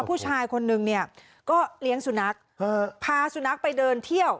ผู้ชายคนนึงเนี่ยก็เลี้ยงสุนัขพาสุนัขไปเดินเที่ยว